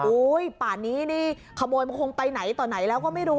ป่านนี้นี่ขโมยมันคงไปไหนต่อไหนแล้วก็ไม่รู้